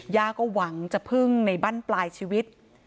ย่าก็หวังจะพึ่งในบ้านปลายชีวิต